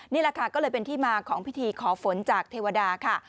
นี่แหละค่ะก็เลยเป็นที่มาของพิธีขอฝนจากเทวดาค่ะ